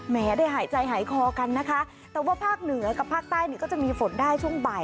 ได้หายใจหายคอกันนะคะแต่ว่าภาคเหนือกับภาคใต้นี่ก็จะมีฝนได้ช่วงบ่าย